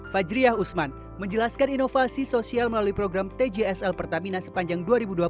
fajriyah usman menjelaskan inovasi sosial melalui program tjsl pertamina sepanjang dua ribu dua puluh satu